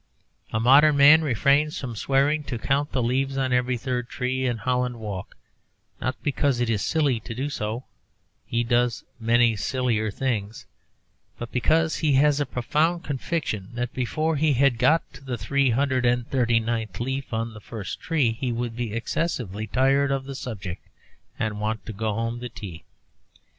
A modern man refrains from swearing to count the leaves on every third tree in Holland Walk, not because it is silly to do so (he does many sillier things), but because he has a profound conviction that before he had got to the three hundred and seventy ninth leaf on the first tree he would be excessively tired of the subject and want to go home to tea.